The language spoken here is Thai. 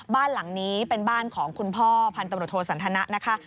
บ้านหลังนี้เป็นบ้านของคุณพ่อพันตำรวจโทสันทนะนะคะ